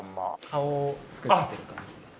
顔を作ってる感じです。